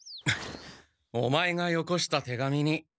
オマエがよこした手紙に。